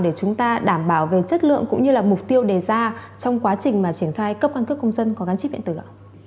để chúng ta đảm bảo về chất lượng cũng như là mục tiêu đề ra trong quá trình mà triển khai cấp căn cước công dân có gắn chip điện tử ạ